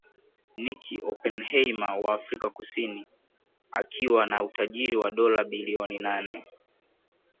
Nicky Oppenheimer wa Afrika Kusini akiwa na utajiri wa dola bilioni nane